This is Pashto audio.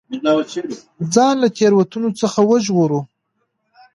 ځان له تېروتنو څخه وژغورو.